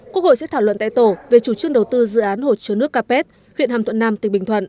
quốc hội sẽ thảo luận tại tổ về chủ trương đầu tư dự án hồ chứa nước capet huyện hàm thuận nam tỉnh bình thuận